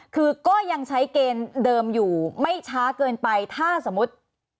คือก็ยังใช้เกณฑ์เดิมอยู่ไม่ช้าเกินไปถ้าสมมุติ